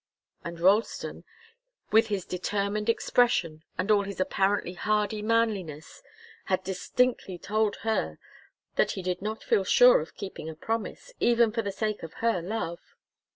And Ralston, with his determined expression and all his apparently hardy manliness, had distinctly told her that he did not feel sure of keeping a promise, even for the sake of her love.